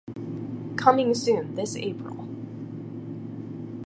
Coming soon this April.